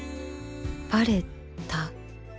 バレた？